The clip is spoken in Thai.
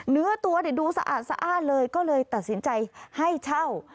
เนื้อตัวดูสะอาดสะอ้านเลยก็เลยตัดสินใจให้เช่า